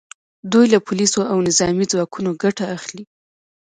دوی له پولیسو او نظامي ځواکونو ګټه اخلي